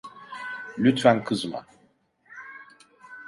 Lütfen kızma.